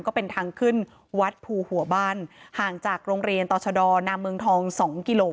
ก็เป็นทางขึ้นวัดภูหัวบ้านห่างจากโรงเรียนต่อชะดอนามเมืองทอง๒กิโล